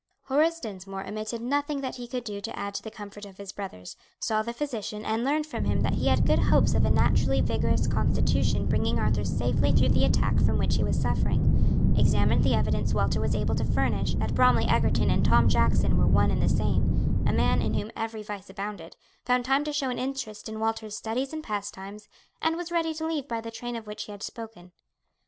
Horace Dinsmore omitted nothing that he could do to add to the comfort of his brothers, saw the physician and learned from him that he had good hopes of a naturally vigorous constitution bringing Arthur safely through the attack from which he was suffering, examined the evidence Walter was able to furnish that Bromly Egerton and Tom Jackson were one and the same a man in whom every vice abounded found time to show an interest in Walter's studies and pastimes, and was ready to leave by the train of which he had spoken.